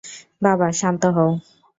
বাবা, শান্ত হও।